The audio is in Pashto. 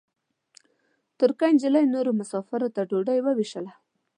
ترکۍ نجلۍ نورو مساپرو ته ډوډۍ وېشله.